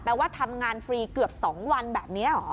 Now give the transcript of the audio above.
ว่าทำงานฟรีเกือบ๒วันแบบนี้เหรอ